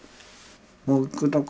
もう行くとこは